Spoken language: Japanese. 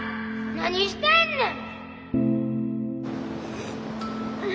何してんねん！